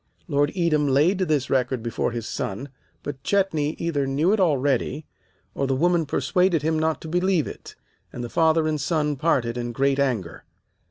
Lord Edam laid this record before his son, but Chetney either knew it already or the woman persuaded him not to believe in it, and the father and son parted in great anger.